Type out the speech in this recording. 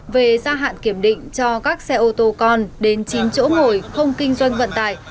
về gia hạn kiểm định cho các xe ô tô con đến chín chỗ ngồi không kinh doanh vận tải